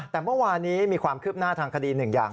แต่เมื่อวานี้มีความคืบหน้าทางคดีหนึ่งอย่าง